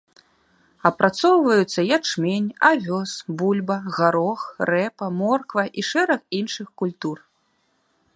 Апрацоўваюцца ячмень, авёс, бульба, гарох, рэпа, морква і шэраг іншых культур.